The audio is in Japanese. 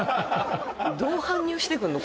どう搬入してくんの？